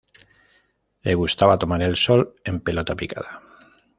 Le gustaba tomar el sol en pelota picada